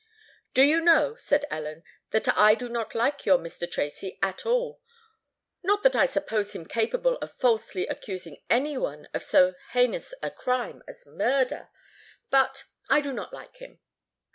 "Do you know," said Ellen, "that I do not like your Mr. Tracy at all! Not that I suppose him capable of falsely accusing any one of so heinous a crime as murder; but—I do not like him."